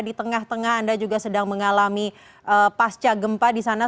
di tengah tengah anda juga sedang mengalami pasca gempa di sana